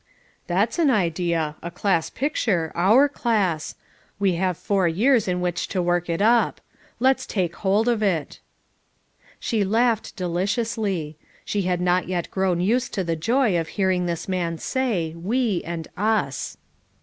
" That's an idea, a class picture, our class; we have four years in which to work it up. Let's take hold of it." She laughed deliciously. She had not yet grown used to the joy of hearing this man say: "We," and "Us."